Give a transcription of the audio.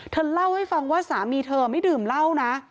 เธอเล่าให้ฟังว่าสามีเธอไม่ดื่มเหล้านะ